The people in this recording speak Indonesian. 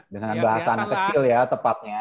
dengan bahasa anak kecil ya tepatnya